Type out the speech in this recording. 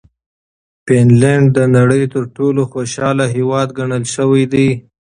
فنلنډ د نړۍ تر ټولو خوشحاله هېواد ګڼل شوی دی.